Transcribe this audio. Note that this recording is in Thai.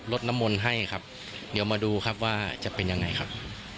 ดน้ำมนต์ให้ครับเดี๋ยวมาดูครับว่าจะเป็นยังไงครับ